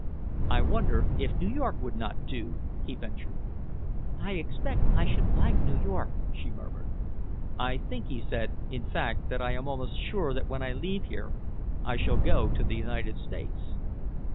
"I wonder if New York would not do?" he ventured. "I expect I should like New York," she murmured. "I think," he said, "in fact, I am almost sure that when I leave here I shall go to the United States."